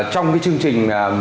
trong cái chương trình